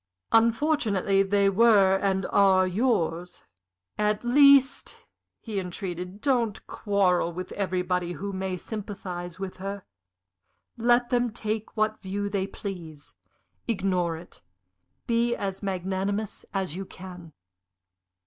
"Unfortunately they were and are yours. At least," he entreated, "don't quarrel with everybody who may sympathize with her. Let them take what view they please. Ignore it be as magnanimous as you can."